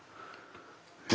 え